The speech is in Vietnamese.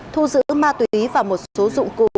thu giữ ma túy và một số dụng cụ